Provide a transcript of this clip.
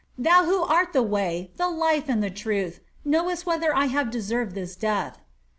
Thou who art the way, the life, and the truth, knowest whether I have Ueserved this death.''